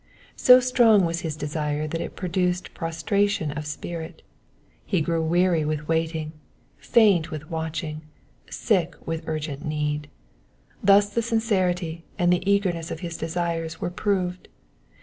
So strong was his desire that it produced prostration of spirit. He grew weary with waiting, faint with watching, sick with urgent need. Thus the sincerity and the eagerness of his desires were proved.